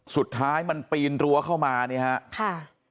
สุดท้ายมันปีนรั้วเข้ามาเนี่ยฮะค่ะ